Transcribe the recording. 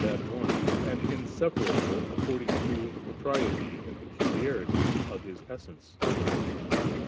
that One, and inseparable according to the propriety and pecuUarity of His Essence.